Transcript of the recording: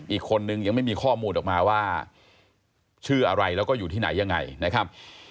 อีกคนนึงยังไม่มีข้อมูลออกมาว่าชื่ออะไรแล้วก็อยู่ที่ไหนยังไงนะครับ